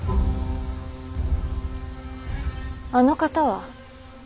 あの方は。